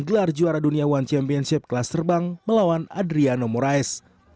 gelar juara dunia one championship kelas terbang melawan adriano moraes